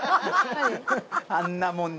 あんなもんに。